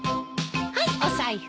はいお財布。